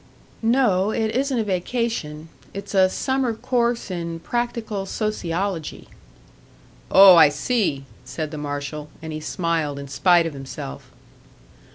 "No, it isn't a vacation; it's a summer course in practical sociology." "Oh, I see!" said the marshal; and he smiled in spite of himself.